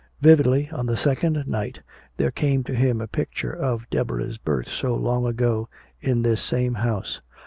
Vividly, on the second night, there came to him a picture of Deborah's birth so long ago in this same house.